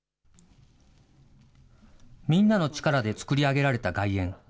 みんなの力で作り上げられた外苑。